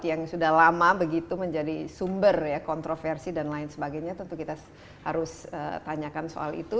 yang sudah lama begitu menjadi sumber kontroversi dan lain sebagainya tentu kita harus tanyakan soal itu